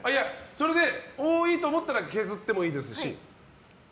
それで、多いと思ったら削ってもいいですし。